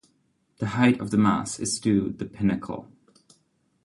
The height of the mast is to the pinnacle.